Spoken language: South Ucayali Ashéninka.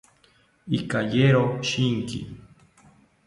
Ikayero shinki